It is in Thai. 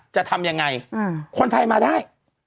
จะทำยังไงคนไทยมาได้